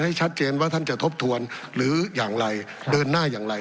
ให้ชัดเจนว่าท่านจะทบทวนหรืออย่างไรเดินหน้าอย่างไร